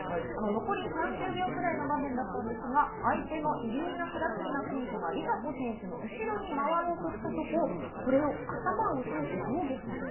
残り３０秒くらいの場面だったんですが、相手のイリーナ・クラチキナ選手が梨紗子選手の後ろに回ろうとしたところ、頭を押さえて、防御したという。